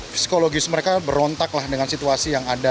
psikologis mereka berontaklah dengan situasi yang ada